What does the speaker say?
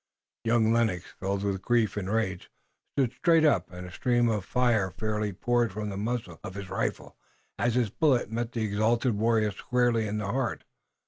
Young Lennox, filled with grief and rage, stood straight up, and a stream of fire fairly poured from the muzzle of his rifle as his bullet met the exultant warrior squarely in the heart.